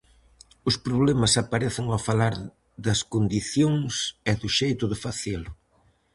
Os problemas aparecen ao falar das condicións e do xeito de facelo.